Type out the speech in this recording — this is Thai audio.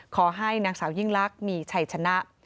ขอให้นางสาวยิ่งลักษณ์มีชัยชนะ